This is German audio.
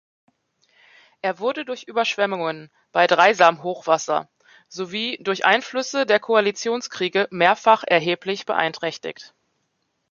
Er wurde durch Überschwemmungen bei Dreisam-Hochwasser sowie durch Einflüsse der Koalitionskriege mehrfach erheblich beeinträchtigt.